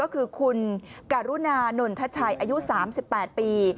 ก็คือคุณการุนานนทชัยอายุ๓๘ปี